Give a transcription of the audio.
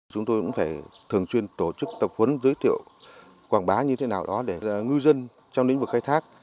chúng tôi cũng phải thường xuyên tổ chức tập huấn giới thiệu quảng bá như thế nào đó để ngư dân trong lĩnh vực khai thác